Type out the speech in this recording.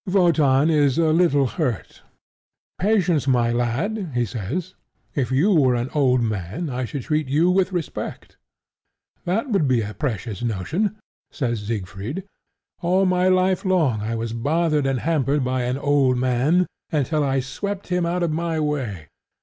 Wotan is a little hurt. "Patience, my lad," he says: "if you were an old man I should treat you with respect." "That would be a precious notion," says Siegfried. "All my life long I was bothered and hampered by an old man until I swept him out of my way.